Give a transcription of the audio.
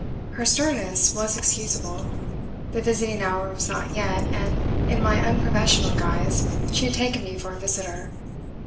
Her sternness was excusable. The visiting hour was not yet, and in my unprofessional guise she had taken me for a visitor.